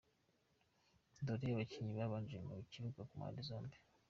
Dore abakinnyi babanje mu kibuga ku mpande zombi:.